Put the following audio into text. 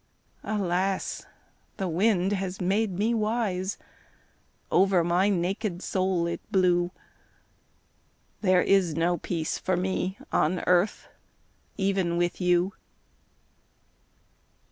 Alas, the wind has made me wise, Over my naked soul it blew, There is no peace for me on earth Even with you.